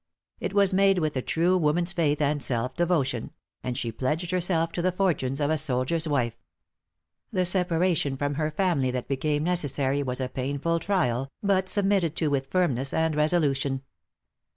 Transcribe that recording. It was made with a true woman's faith and self devotion; and she pledged herself to the fortunes of a soldier's wife. The separation from her family that became necessary, was a painful trial, but submitted to with firmness and resolution.